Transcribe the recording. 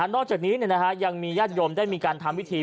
นอกจากนี้ยังมีญาติโยมได้มีการทำพิธี